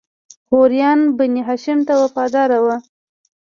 غوریان بنی هاشم ته وفادار وو.